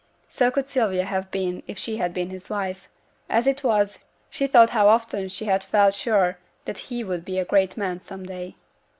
So could Sylvia have been if she had been his wife; as it was, she thought how often she had felt sure that he would be a great man some day.